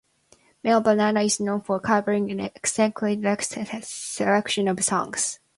Melt-Banana is known for covering an eclectic selection of songs.